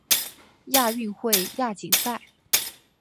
亚运会亚锦赛